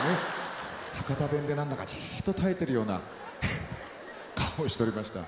博多弁で何だかジッと耐えてるような顔をしておりました。